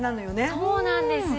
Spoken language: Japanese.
そうなんですよ。